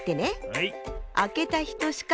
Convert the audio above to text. はい！